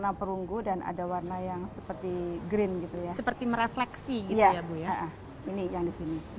ada warna perunggu dan ada warna yang seperti merrefleksi